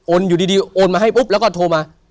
อยู่ดีโอนมาให้ปุ๊บแล้วก็โทรมา